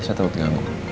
saya terlalu diganggu